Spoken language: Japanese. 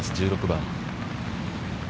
１６番。